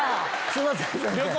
すいません先生。